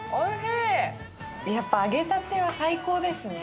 やっぱ揚げたては最高ですね。